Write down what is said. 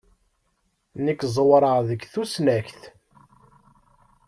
Nekk ẓewreɣ deg tusnakt.